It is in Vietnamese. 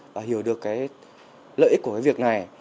và hiểu được cái lợi ích của cái việc này